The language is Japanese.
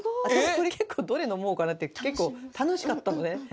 これ結構どれ飲もうかなって結構楽しかったのね